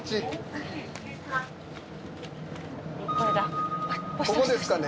ここですかね？